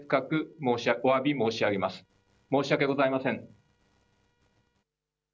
申し訳ございません。